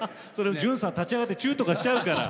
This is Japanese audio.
順さん立ち上がってチューとかしちゃうから！